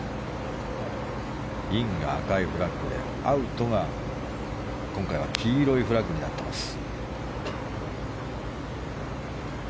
インが赤いフラッグでアウトが今回は黄色いフラッグになっています。